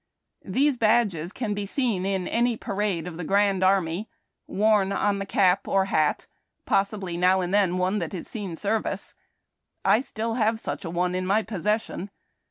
These badges can be seen in any parade of the Grand Army, worn on the cap or hat, possibly now and then one that has seen service. I still have such a one in my pos session.